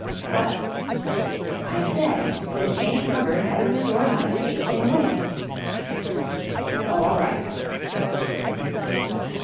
"What?" "I said that Jane Hubbard had restored my faith in Woman." "Oh, all right."